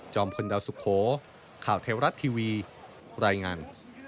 พลดาวสุโขข่าวเทวรัฐทีวีรายงาน